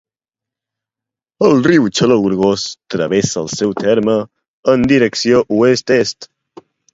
El riu Xaló-Gorgos travessa el seu terme en direcció oest-est.